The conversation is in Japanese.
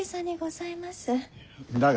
だが。